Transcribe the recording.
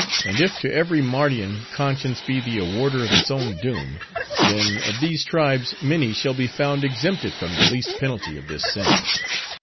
And if to every Mardian, conscience be the awarder of its own doom; then, of these tribes, many shall be found exempted from the least penalty of this sin.